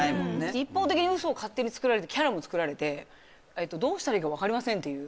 一方的にうそを勝手に作られてキャラも作られてどうしたらいいか分かりませんっていう。